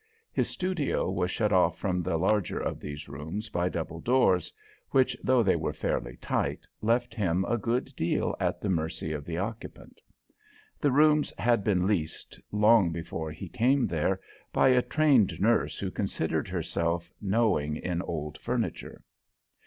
His studio was shut off from the larger of these rooms by double doors, which, though they were fairly tight, left him a good deal at the mercy of the occupant. The rooms had been leased, long before he came there, by a trained nurse who considered herself knowing in old furniture.